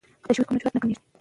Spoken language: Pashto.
که تشویق وي نو جرات نه کمېږي.